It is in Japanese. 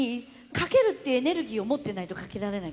かけるっていうエネルギーを持ってないとかけられないからね。